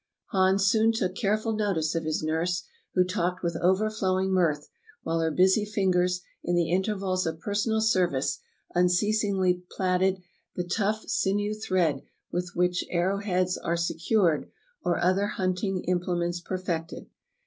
Hans soon took careful notice of his nurse, who talked with overflowing mirth, while her busy fingers, in the intervals of personal service, unceasingly plaited the tough sinew thread with which arrow heads are secured or other hunting implements perfected.